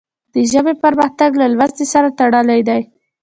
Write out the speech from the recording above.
د ژبې پرمختګ له لوست سره تړلی دی.